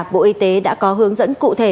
bộ y tế đã có hướng dẫn cụ thể